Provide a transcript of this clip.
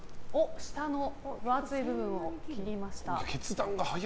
下の分厚い部分を切りました。